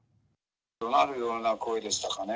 どなるような声でしたかね。